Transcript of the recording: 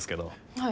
はい。